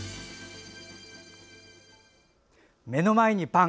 目の前にパン。